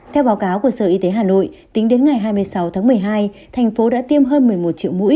theo báo cáo của sở y tế hà nội tính đến ngày hai mươi sáu tháng một mươi hai thành phố đã tiêm hơn một mươi một triệu mũi